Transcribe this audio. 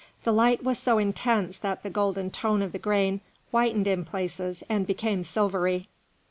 The light was so intense that the golden tone of the grain whitened in places and became silvery.